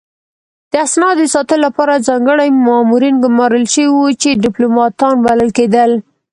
د اسنادو د ساتلو لپاره ځانګړي مامورین ګمارل شوي وو چې ډیپلوماتان بلل کېدل